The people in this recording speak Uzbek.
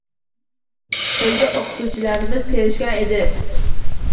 Toʻyga oʻqituvchilarimiz kelishgan edi!